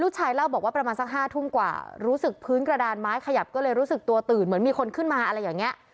ชายเล่าบอกว่าประมาณสัก๕ทุ่มกว่ารู้สึกพื้นกระดานไม้ขยับก็เลยรู้สึกตัวตื่นเหมือนมีคนขึ้นมาอะไรอย่างนี้